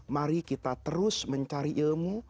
mari kita terus mencari ilmu